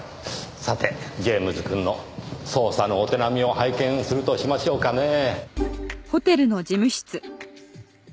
さてジェームズくんの捜査のお手並みを拝見するとしましょうかねぇ。